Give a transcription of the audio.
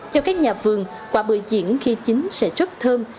cho các nhà vườn quả bưởi diễn khi chín sẽ rất thơm